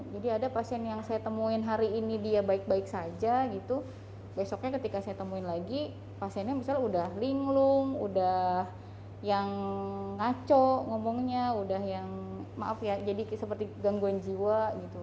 jadi ada pasien yang saya temuin hari ini dia baik baik saja gitu besoknya ketika saya temuin lagi pasiennya misalnya udah linglung udah yang ngaco ngomongnya udah yang maaf ya jadi seperti gangguan jiwa gitu